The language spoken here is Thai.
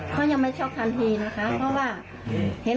เข้าไปช่วยกัน